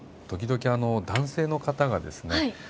時々あの男性の方がですね